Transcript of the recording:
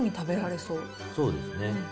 そうですね。